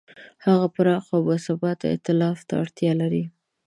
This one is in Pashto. هغه پراخ او باثباته ایتلاف ته اړتیا لري.